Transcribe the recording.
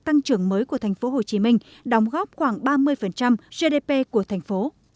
tăng trưởng mới của tp hcm đóng góp khoảng ba mươi gdp của tp